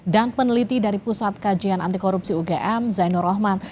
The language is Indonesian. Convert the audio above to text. dan peneliti dari pusat kajian anti korupsi ugm zainur rahman